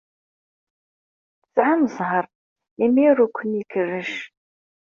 Tesɛam zzheṛ imi ur ken-ikerrec.